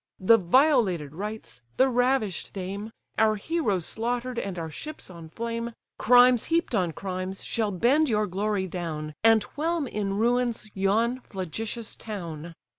The violated rites, the ravish'd dame; Our heroes slaughter'd and our ships on flame, Crimes heap'd on crimes, shall bend your glory down, And whelm in ruins yon flagitious town.